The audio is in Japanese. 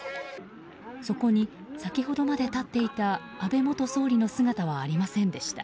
そこに先ほどまで立っていた安倍元総理の姿はありませんでした。